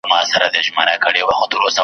پر باقي مځکه یا کښت وي یا غوبل وي .